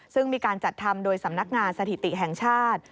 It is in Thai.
ซึ่งมีการจัดทำโดยสำนักงานสถิติแห่งชาติ